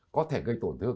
có thể gây tổn thương